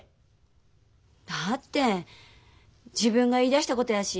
だって自分が言いだしたことやしそれに慰謝料よ？